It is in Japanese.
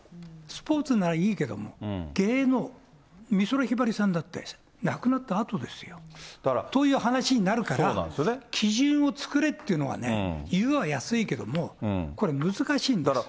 スポーツならいいけども、芸能、美空ひばりさんだって亡くなったあとですよ。という話になるから、基準を作れっていうのはね、言うは易いけれども、これ難しいんですよ。